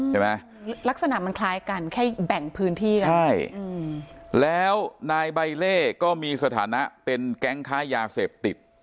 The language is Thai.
เห็นไหมลักษณะมันคล้ายกันแค่แบ่งพื้นที่ช่ายแล้วในใบเล่ก็มีสถานะเป็นแก๊งขายยาเสพติด